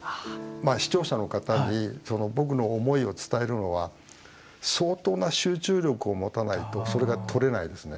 まあ視聴者の方に僕の思いを伝えるのは相当な集中力を持たないとそれが撮れないですね。